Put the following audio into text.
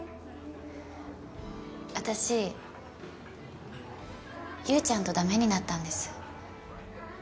私優ちゃんと駄目になったんです。